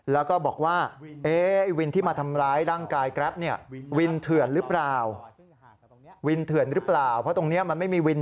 แล้วก็บอกว่าวินที่มาทำร้ายร่างกายแกรปเนี่ยวินเถื่อนหรือเปล่าวินเถื่อนหรือเปล่าเพราะตรงนี้มันไม่มีวิน